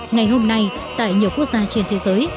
ngày hôm nay tại nhiều quốc gia trên thế giới